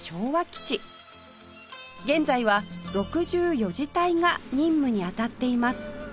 現在は６４次隊が任務に当たっています